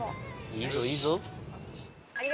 いいぞいいぞ。